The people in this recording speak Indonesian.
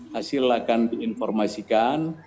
hasil akan diinformasikan